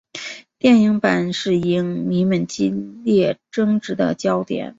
电影版是影迷们激烈争执的焦点。